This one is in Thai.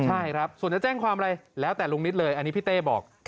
ใช่ครับส่วนจะแจ้งความอะไรแล้วแต่ลุงนิดเลยอันนี้พี่เต้บอก